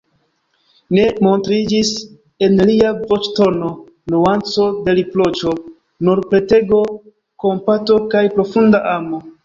Ne montriĝis en lia voĉtono nuanco de riproĉo, nur petego, kompato kaj profunda amo.